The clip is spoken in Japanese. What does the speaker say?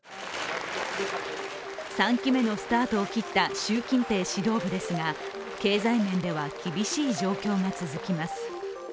３期目のスタートを切った習近平指導部ですが、経済面では厳しい状況が続きます。